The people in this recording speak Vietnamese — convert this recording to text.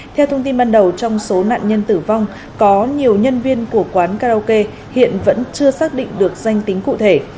theo thông tin ban đầu trong số nạn nhân tử vong có nhiều nhân viên của quán karaoke hiện vẫn chưa xác định được danh tính cụ thể